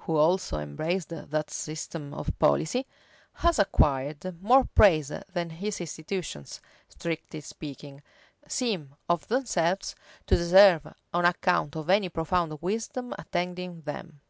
who also embraced that system of policy, has acquired more praise than his institutions, strictly speaking, seem of themselves to deserve on account of any profound wisdom attending them.